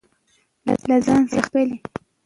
له ځان څخه یې پیل کړئ.